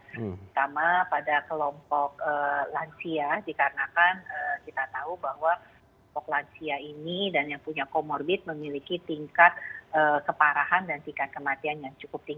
pertama pada kelompok lansia dikarenakan kita tahu bahwa kelompok lansia ini dan yang punya comorbid memiliki tingkat keparahan dan tingkat kematian yang cukup tinggi